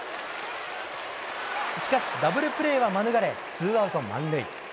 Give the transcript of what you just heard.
しかし、ダブルプレーは免れツーアウト満塁。